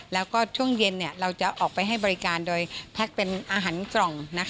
แล้วก็ช่วงเย็นเราจะออกไปให้บริการโดยแพ็คเป็นอาหารกล่อง